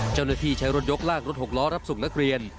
เจ้าหน้าที่ใช้รถยกลากรถหกล้อรับส่งนักเรียน